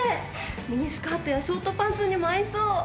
ミニスカートやショートパンツにも合いそう。